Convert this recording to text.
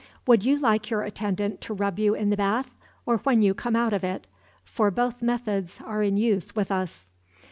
Would you like your attendant to rub you in the bath, or when you come out of it? For both methods are in use with us."